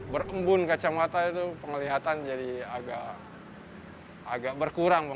berkembun kacamata itu pengelihatan jadi agak berkurang